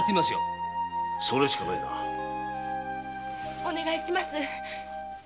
お願いします。